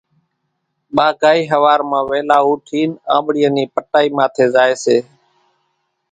ٻاگھائِي ۿوار مان ويلا اوٺينَ آنٻڙِيئان نِي پٽائِي ماٿيَ زائيَ سي۔